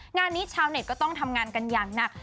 งานนี้ชาวเน็ตก็ต้องทำงานกันอย่างหนัก